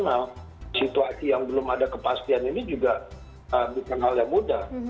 tetap profesional situasi yang belum ada kepastian ini juga dikenal yang mudah